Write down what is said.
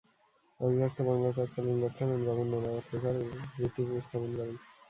অবিভক্ত বাংলার তৎকালীন লেফটেন্যান্ট গভর্নর অ্যাডওয়ার্ড বেকার এর ভিত্তি স্থাপন করেন।